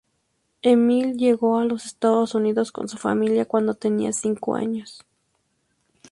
Emil llegó a los Estados Unidos con su familia cuando tenía cinco años.